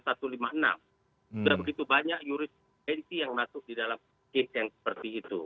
sudah begitu banyak juridikasi yang masuk di dalam titik yang seperti itu